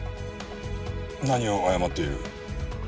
何を謝っている？